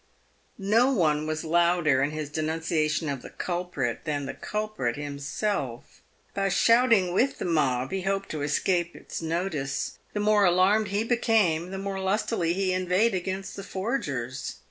flo one was louder in his denunciation of the culprit than the culprit himself. By shouting with the mob he hoped to escape its notice. The more alarmed he became the more lustily he inveighed against the forgers.